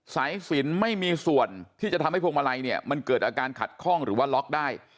สายสินไม่มีส่วนที่จะทำให้พวงมาลัยเนี่ยมันเกิดอาการขัดข้องหรือว่าล็อกได้